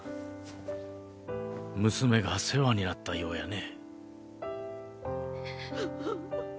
娘が世話になったようやね。